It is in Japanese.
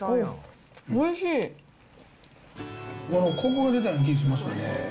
こくが出たような気がしますね。